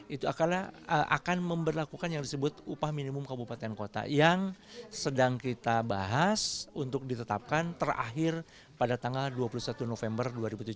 itu akan memperlakukan yang disebut upah minimum kabupaten kota yang sedang kita bahas untuk ditetapkan terakhir pada tanggal dua puluh satu november dua ribu tujuh belas